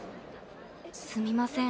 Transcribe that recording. すみません。